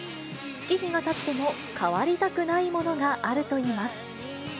月日がたっても変わりたくないものがあるといいます。